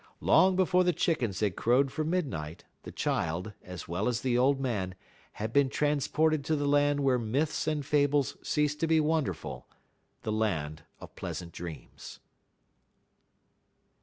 Long before the chickens had crowed for midnight, the child, as well as the old man, had been transported to the land where myths and fables cease to be wonderful, the land of pleasant dreams.